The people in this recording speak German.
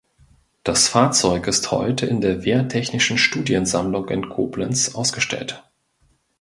Das Fahrzeug ist heute in der Wehrtechnischen Studiensammlung in Koblenz ausgestellt.